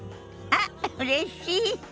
あっうれしい。